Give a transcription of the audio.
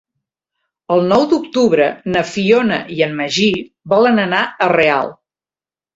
El nou d'octubre na Fiona i en Magí volen anar a Real.